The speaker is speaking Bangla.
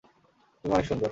তুমি অনেক সুন্দর।